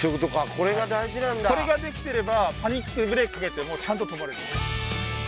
これができてればパニックでブレーキかけてもちゃんと止まるんです